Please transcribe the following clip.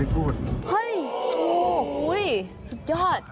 เฮ้ยสุดยอด